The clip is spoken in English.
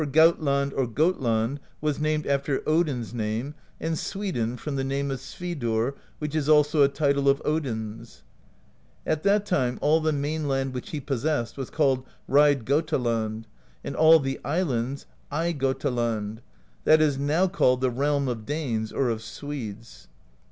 A. S.fyrd. Jiras. » Heroes, Men. 234 PROSE EDDA for Gautland or Gotland was named after Odin's name, and Sweden from the name of Svidurr, which is also a title of Odin's. At that time all the mainland which he pos sessed was called Reid Gotaland, and all the islands, Ey Gotaland: that is now called the Realm of Danes or of Swedes.